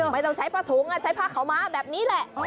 ไม่ต้องใช้ผ้าถุงใช้ผ้าขาวม้าแบบนี้แหละ